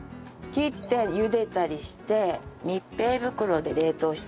切って茹でたりして密閉袋で冷凍したり。